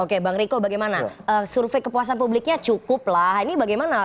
oke bang riko bagaimana survei kepuasan publiknya cukup lah ini bagaimana